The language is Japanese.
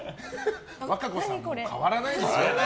和歌子さんも変わらないですよ。